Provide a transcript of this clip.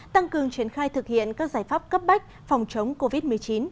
tăng cường triển khai thực hiện các giải pháp cấp bách phòng chống covid một mươi chín